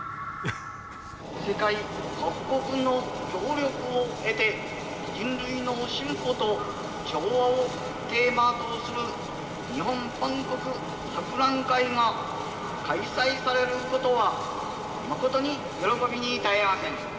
世界国国の協力を得て「人類の進歩と調和」をテーマとする日本万国博覧会が開催されることは誠に喜びに堪えません。